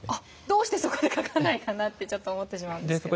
どうしてそこで書かないかなってちょっと思ってしまうんですけど。